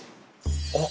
あっ！